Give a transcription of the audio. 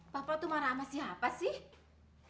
bapak itu marah sama siapa sih